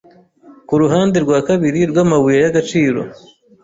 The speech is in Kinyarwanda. Kuruhande rwa kabiri rwamabuye y'agaciro,